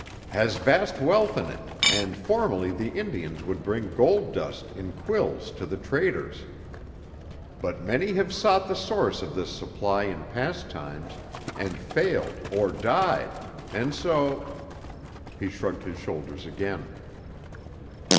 "Has vast wealth in it, and formerly the Indians would bring gold dust in quills to the traders. But many have sought the source of this supply in past times and failed or died, and so " He shrugged his shoulders again.